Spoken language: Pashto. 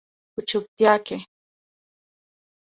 په چوپتیا کې